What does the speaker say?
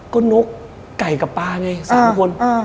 ก็นกไก่กับปลาไง๓คน